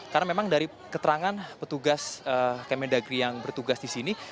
karena memang dari keterangan petugas kementerian dalam negeri yang bertugas disini